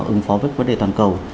ứng phó với vấn đề toàn cầu